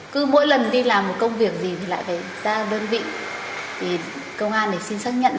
cứ mỗi lần đi làm một công việc gì thì lại phải ra đơn vị công an thì xin xác nhận